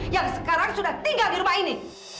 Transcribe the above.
yang sekarang sudah tinggal di rumah ini